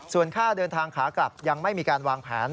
ส่วนค่าเดินทางขากลับยังไม่มีการวางแผน